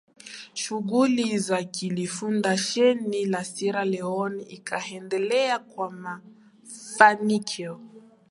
Shughuli za kulifunda jeshi la Sierra Leon ikaendelea kwa mafanikio